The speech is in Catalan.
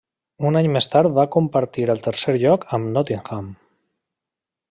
Un any més tard va compartir el tercer lloc a Nottingham.